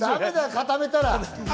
固めたら！